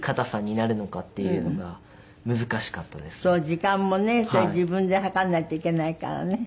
時間もねそれ自分で計らないといけないからね。